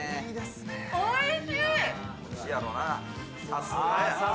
さすが。